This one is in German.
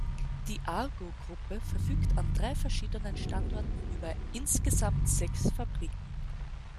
Die Argo-Gruppe verfügt an drei verschiedenen Standorten über insgesamt sechs Fabriken